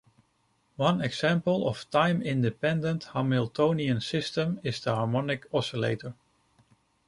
One example of time independent Hamiltonian system is the harmonic oscillator.